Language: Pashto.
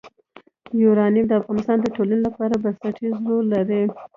یورانیم د افغانستان د ټولنې لپاره بنسټيز رول لري.